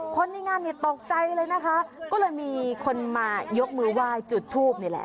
คนในงานเนี่ยตกใจเลยนะคะก็เลยมีคนมายกมือไหว้จุดทูปนี่แหละ